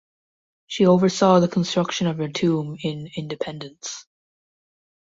She oversaw the construction of her tomb in Independence.